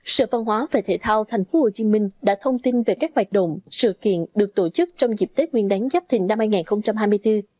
sở văn hóa về thể thao thành phố hồ chí minh đã thông tin về các hoạt động sự kiện được tổ chức trong dịp tết nguyên đáng giáp thình năm hai nghìn hai mươi bốn